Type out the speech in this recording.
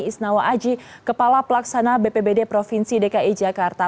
isnawa aji kepala pelaksana bpbd provinsi dki jakarta